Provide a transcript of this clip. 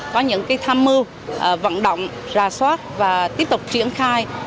có những tham mưu vận động ra soát và tiếp tục triển khai